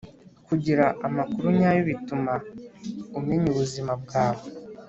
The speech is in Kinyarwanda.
kugira amakuru nyayo bituma umenya ubuzima bwawe,